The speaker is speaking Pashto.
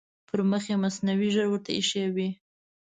پر مخ یې مصنوعي ږیره ورته اېښې وي.